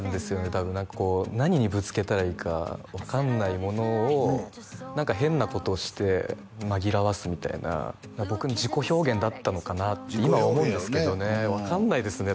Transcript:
多分こう何にぶつけたらいいか分かんないものを何か変なことをして紛らわすみたいな僕の自己表現だったのかなって今思うんですけどね分かんないですね